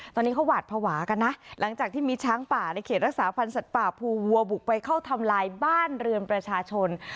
ตอนนี้เขาหวาดภาวะกันนะหลังจากที่มีช้างป่าในเขตรักษาพันธ์สัตว์ป่าภูวัวบุกไปเข้าทำลายบ้านเรือนประชาชน